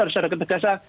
harus ada ketegasan